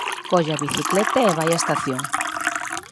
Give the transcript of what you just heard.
Colle a bicicleta e vai á estación.